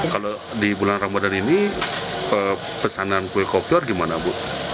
kalau di bulan ramadan ini pesanan kue kopior gimana bu